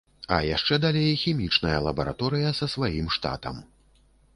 А яшчэ далей хімічная лабараторыя са сваім штатам.